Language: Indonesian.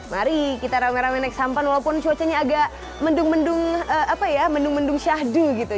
mari kita rame rame naik sampan walaupun cuacanya agak mendung mendung apa ya mendung mendung syahdu gitu